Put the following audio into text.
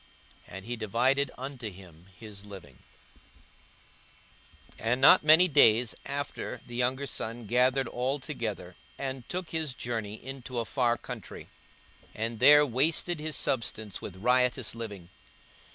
And he divided unto them his living. 42:015:013 And not many days after the younger son gathered all together, and took his journey into a far country, and there wasted his substance with riotous living.